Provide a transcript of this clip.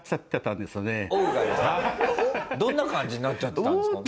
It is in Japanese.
どんな感じになっちゃってたんですか？